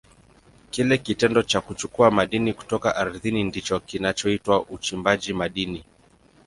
Kile kitendo cha kuchukua madini kutoka ardhini ndicho kinachoitwa uchimbaji madini.